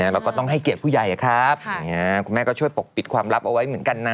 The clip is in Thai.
เราก็ต้องให้เกียรติผู้ใหญ่ครับคุณแม่ก็ช่วยปกปิดความลับเอาไว้เหมือนกันนะ